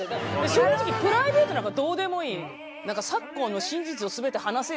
正直プライベートなんかどうでもいい。